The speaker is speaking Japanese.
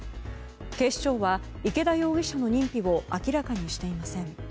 警視庁は池田容疑者の認否を明らかにしていません。